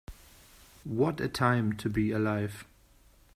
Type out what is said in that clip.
What a time to be alive.